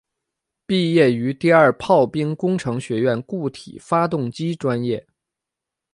毕业于第二炮兵工程学院固体发动机专业。